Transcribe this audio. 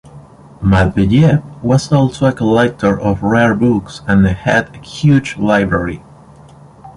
Matveyev was also a collector of rare books and had a huge library.